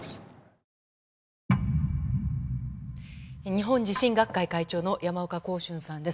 日本地震学会会長の山岡耕春さんです。